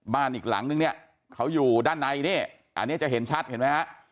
อีกหลังนึงเนี่ยเขาอยู่ด้านในนี่อันนี้จะเห็นชัดเห็นไหมฮะ